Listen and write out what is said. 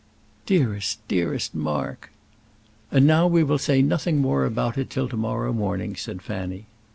"Dearest, dearest Mark!" "And now we will say nothing more about it till to morrow morning," said Fanny.